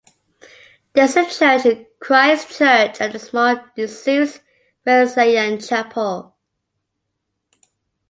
There is a church - Christ Church, and a small, disused Wesleyan chapel.